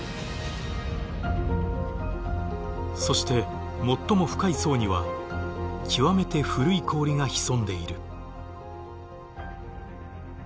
そして最も深い層には極めて古い氷が潜んでいる。